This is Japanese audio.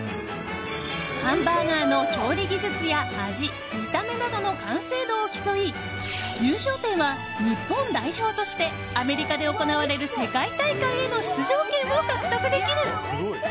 ハンバーガーの調理技術や味見た目などの完成度を競い優勝店は日本代表としてアメリカで行われる世界大会への出場権を獲得できる。